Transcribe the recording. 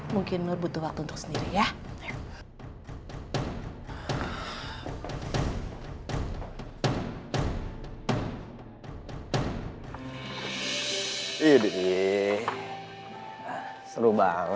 mungkin nur butuh waktu untuk sendiri ya